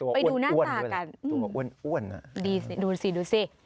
ตัวอ้วนด้วยนะตัวอ้วนดีสิดูสิ